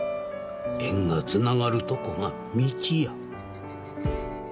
縁がつながるとこが道や。